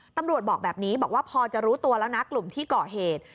ตำรวจบอกแบบนี้บอกว่าพอจะรู้ตัวแล้วนะกลุ่มที่ก่อเหตุ